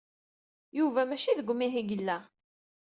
Yuba maci deg umihi ay yella.